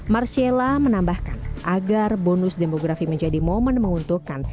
marcella menambahkan agar bonus demografi menjadi momen menguntungkan